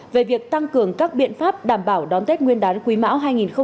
về việc tăng cường các biện pháp đảm bảo đón tết nguyên đán quý mão hai nghìn hai mươi